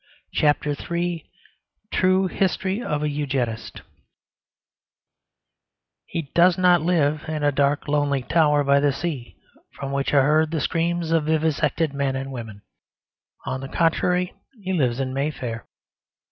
CHAPTER III TRUE HISTORY OF A EUGENIST He does not live in a dark lonely tower by the sea, from which are heard the screams of vivisected men and women. On the contrary, he lives in Mayfair.